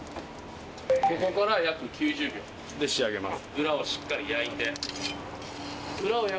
ここから約９０秒で仕上げます。